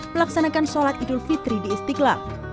melaksanakan sholat idul fitri di istiqlal